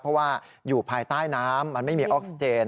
เพราะว่าอยู่ภายใต้น้ำมันไม่มีออกซิเจน